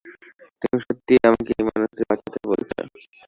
তুমি সত্যিই আমাকে ওই মানুষদের বাঁচাতে বলেছো?